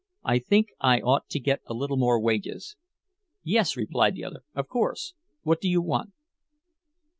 "I think I ought to get a little more wages." "Yes," replied the other, "of course. What do you want?"